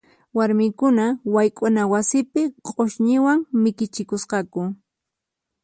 Warmikuna wayk'una wasipi q'usñiwan mikichikusqaku.